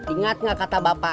ingat gak kata bapaknya